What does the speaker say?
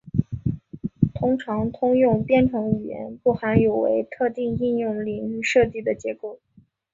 通常通用编程语言不含有为特定应用领域设计的结构。